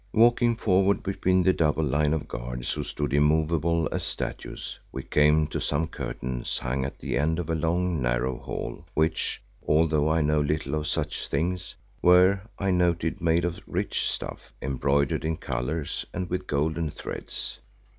Walking forward between the double line of guards who stood immovable as statues, we came to some curtains hung at the end of a long, narrow hall which, although I know little of such things, were, I noted, made of rich stuff embroidered in colours and with golden threads.